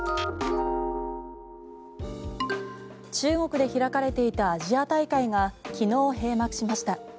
中国で開かれていたアジア大会が昨日閉幕しました。